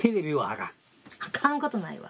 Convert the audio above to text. あかんことないわ。